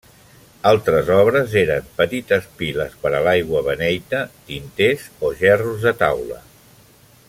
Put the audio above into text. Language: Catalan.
Altres obres eren petites piles per a l'aigua beneita, tinters o gerros de taula.